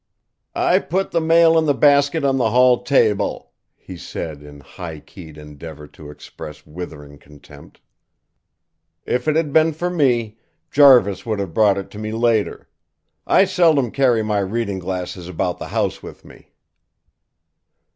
"I put the mail in the basket on the hall table," he said in high keyed endeavour to express withering contempt. "If it had been for me, Jarvis would have brought it to me later. I seldom carry my reading glasses about the house with me."